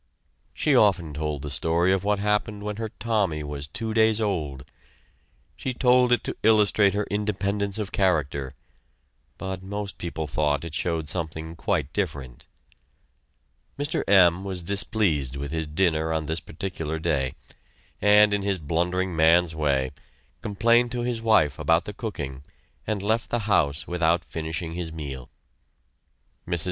She often told the story of what happened when her Tommy was two days old. She told it to illustrate her independence of character, but most people thought it showed something quite different. Mr. M. was displeased with his dinner on this particular day, and, in his blundering man's way, complained to his wife about the cooking and left the house without finishing his meal. Mrs.